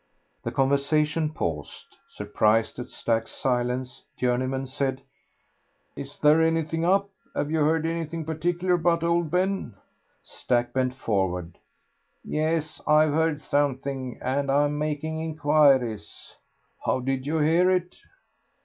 The conversation paused. Surprised at Stack's silence, Journeyman said "Is there anything up? Have you heard anything particular about old Ben?" Stack bent forward. "Yes, I've heard something, and I'm making inquiries." "How did you hear it?"